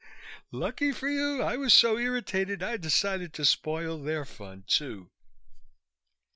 "Lucky for you. I was so irritated I decided to spoil their fun too."